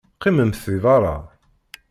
Qqimemt deg beṛṛa.